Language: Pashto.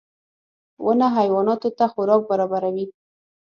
• ونه حیواناتو ته خوراک برابروي.